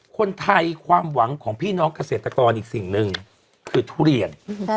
คนไทยความหวังของพี่น้องเกษตรกรอีกสิ่งหนึ่งคือทุเรียน